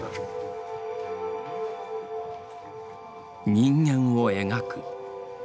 人間を描く。